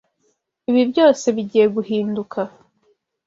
Ibi byose bigiye guhinduka.